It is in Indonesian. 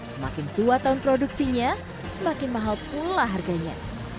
semakin tua tahun produksinya semakin mahal pula harganya